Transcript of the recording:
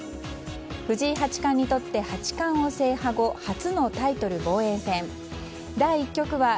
藤井八冠にとって八冠制覇後初のタイトル防衛戦。